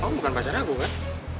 kamu bukan pacar aku kan